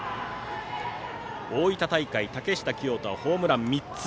大分大会、竹下聖人はホームラン３つ。